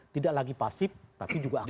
tidak lagi pasif tapi juga akan